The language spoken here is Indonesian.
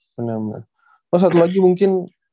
bener bener oh satu lagi mungkin